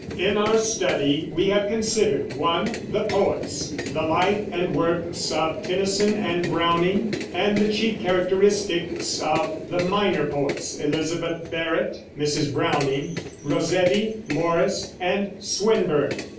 In our study we have considered: (1) The Poets; the life and works of Tennyson and Browning; and the chief characteristics of the minor poets, Elizabeth Barrett (Mrs. Browning), Rossetti, Morris, and Swinburne.